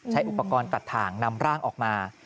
ใช้อุปกรณ์ตัดถ่างนำร่างออกมา